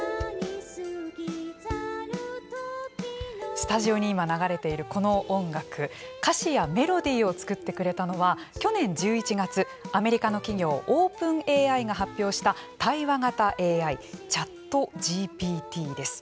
スタジオに今流れているこの音楽歌詞やメロディーを作ってくれたのは去年１１月、アメリカの企業 ＯｐｅｎＡＩ が発表した対話型 ＡＩ ・ ＣｈａｔＧＰＴ です。